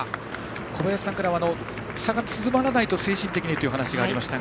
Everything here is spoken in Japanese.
小林さんから差が縮まらないと精神的にという話がありましたが。